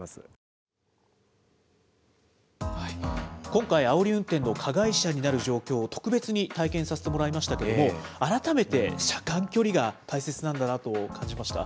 今回あおり運転の加害者になる状況を特別に体験させてもらいましたけれども、改めて車間距離が大切なんだなと感じました。